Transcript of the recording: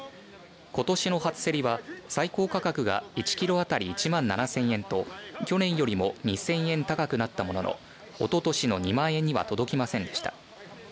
ことしの初競りは、最高価格が１キロ当たり１万７０００円と去年よりも２０００円高くなったもののおととしの２万円には届きませんでした。